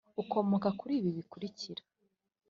Ukomoka kuri ibi bikurikira